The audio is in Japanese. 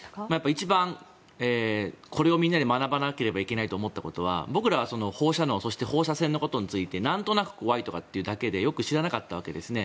一番、これをみんなで学ばなければいけないと思ったことは僕らは放射能そして放射線のことについて何となく怖いっていうだけでよく知らなかったわけですよね。